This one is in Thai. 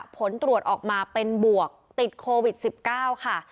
ผลตรวจออกมาเป็นบวกติดโควิด๑๙ค่ะ